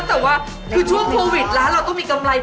แต่ว่าช่วงโควิดแล้วเราต้องมีกำไรบ้าง